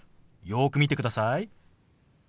よく見てください。